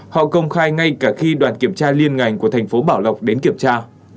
họ công khai ngay cả khi đoàn kiểm tra liên ngành của thành phố bảo lộc đến kiểm tra